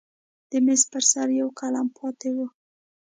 د میز پر سر یو قلم پاتې و.